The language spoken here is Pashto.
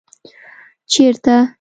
ـ چېرته؟